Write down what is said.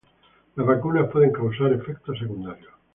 las vacunas pueden causar efectos secundarios